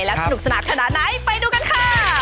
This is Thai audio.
แล้วสนุกสนานขนาดไหนไปดูกันค่ะ